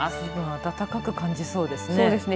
暖かく感じそうですね。